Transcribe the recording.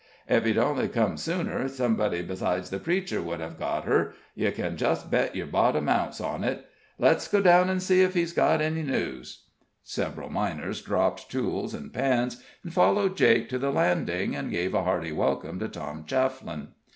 Ef he'd only come sooner, somebody besides the preacher would hev got her you kin just bet your bottom ounce on it. Let's go down an' see ef he's got any news." Several miners dropped tools and pans, and followed Jake to the landing, and gave a hearty welcome to Tom Chafflin.